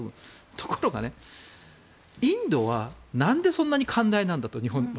ところが、インドはなんでそんなに日本は寛大なんだと。